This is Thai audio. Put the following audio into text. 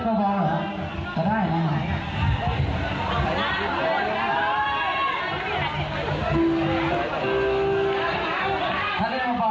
พร้อมพร้อมพร้อมพร้อมพร้อม